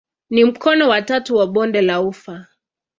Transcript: Ni mkono wa tatu wa bonde la ufa.